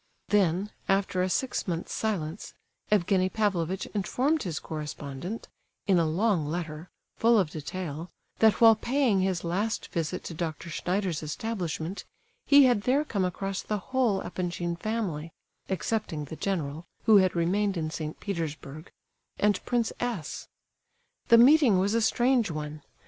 Then, after a six months' silence, Evgenie Pavlovitch informed his correspondent, in a long letter, full of detail, that while paying his last visit to Dr. Schneider's establishment, he had there come across the whole Epanchin family (excepting the general, who had remained in St. Petersburg) and Prince S. The meeting was a strange one.